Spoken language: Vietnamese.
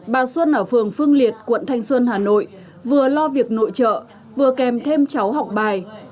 bà xuân ở phường phương liệt quận thanh xuân hà nội vừa lo việc nội trợ vừa kèm thêm cháu học bài